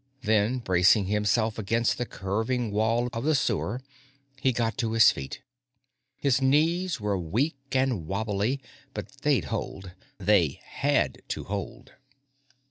Then, bracing himself against the curving wall of the sewer, he got to his feet. His knees were weak and wobbly, but they'd hold. They had to hold.